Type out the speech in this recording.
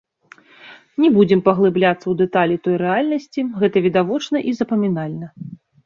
Не будзем паглыбляцца ў дэталі той рэальнасці, гэта відавочна і запамінальна.